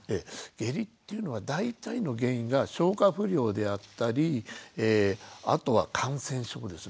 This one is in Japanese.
下痢っていうのは大体の原因が消化不良であったりあとは感染症ですね。